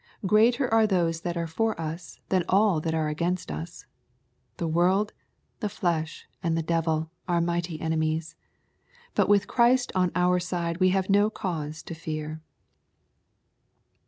Greater are those that are for us than all that are against ns. The world, the flesh, and the devil, are mighty enemies. But with Christ on our side we have no cause to fear.